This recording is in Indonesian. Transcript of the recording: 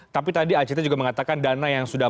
tapi tadi act juga mengatakan dana yang sudah